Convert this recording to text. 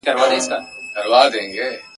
ذخیرې چي پټي نه کړئ په کورو کي ..